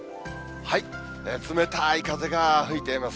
冷たい風が吹いています。